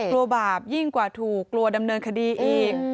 บาปยิ่งกว่าถูกกลัวดำเนินคดีอีก